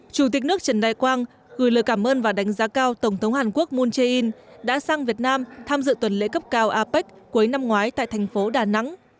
chủ tịch nước trần đại quang gửi lời cảm ơn và đánh giá cao tổng thống hàn quốc moon jae in đã sang việt nam tham dự tuần lễ cấp cao apec cuối năm ngoái tại thành phố đà nẵng